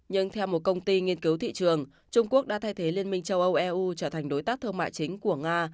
nhưng theo một công ty nghiên cứu thị trường trung quốc đã thay thế liên minh châu âu eu trở thành đối tác thương mại chính của nga